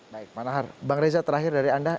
baik pak nahar bang reza terakhir dari anda